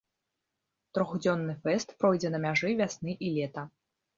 Трохдзённы фэст пройдзе на мяжы вясны і лета.